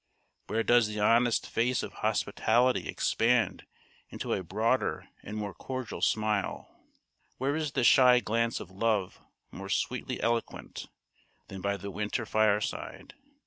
Where does the honest face of hospitality expand into a broader and more cordial smile where is the shy glance of love more sweetly eloquent than by the winter fireside?